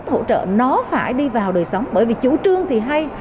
hỗ trợ nó phải đi vào đời sống bởi vì chủ trương thì hay